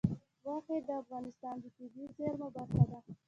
غوښې د افغانستان د طبیعي زیرمو برخه ده.